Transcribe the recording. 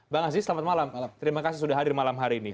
bang aziz selamat malam terima kasih sudah hadir malam hari ini